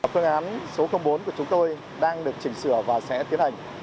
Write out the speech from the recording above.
phương án số bốn của chúng tôi đang được chỉnh sửa và sẽ tiến hành